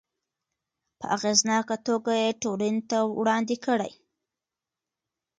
په اغیزناکه توګه یې ټولنې ته وړاندې کړي.